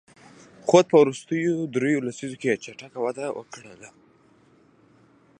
خو په وروستیو دریوو لسیزو کې یې چټکه وده خپله کړې.